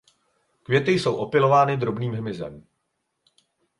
Květy jsou opylovány drobným hmyzem.